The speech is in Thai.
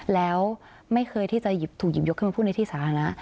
แล้วไม่เคยที่จะถูกหยิบยกขึ้นมาพูดในที่สาธารณะ